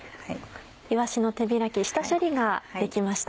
いわしの手開き下処理ができました。